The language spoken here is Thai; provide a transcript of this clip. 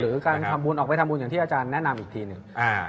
การทำบุญออกไปทำบุญอย่างที่อาจารย์แนะนำอีกทีหนึ่ง